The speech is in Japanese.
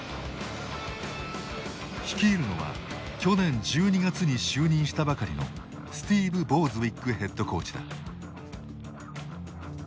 率いるのは去年１２月に就任したばかりのスティーブ・ボーズウィックヘッドコーチだ。